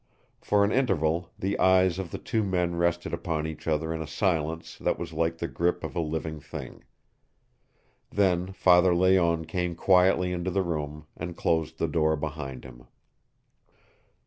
For an interval the eyes of the two men rested upon each other in a silence that was like the grip of a living thing. Then Father Layonne came quietly into the room and closed the door behind him.